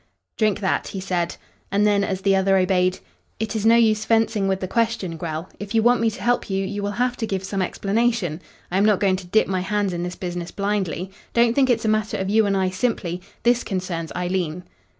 "Drink that," he said. And then, as the other obeyed: "It is no use fencing with the question, Grell. If you want me to help you you will have to give some explanation. I am not going to dip my hands in this business blindly. Don't think it's a matter of you and I simply. This concerns Eileen."